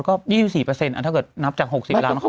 ก็๒๔เปอร์เซ็นต์ถ้าเกิดนับจาก๖๐ล้านคน